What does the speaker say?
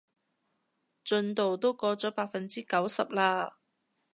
進度都過咗百分之九十啦